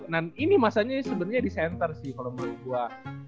nah ini masanya sebenarnya di center sih kalau menurut gue